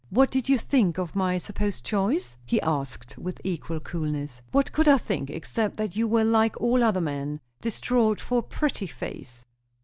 What did you think of my supposed choice?" he asked with equal coolness. "What could I think, except that you were like all other men distraught for a pretty face."